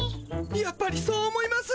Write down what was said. やっぱりそう思います？